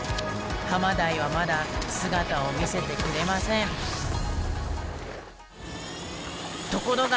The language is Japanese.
ハマダイはまだ姿を見せてくれませんところが！